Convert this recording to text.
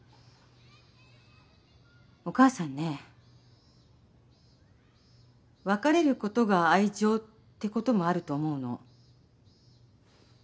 お母さんね別れることが愛情ってこともあると思うの。